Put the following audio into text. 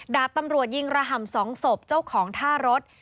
ดาบตำรวจยิงระห่ำ๒ศพเจ้าของท่ารถ